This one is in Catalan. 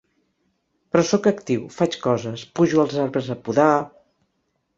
Però sóc actiu, faig coses, pujo als arbres a podar….